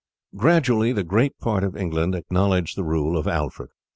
Gradually the greater part of England acknowledged the rule of Alfred.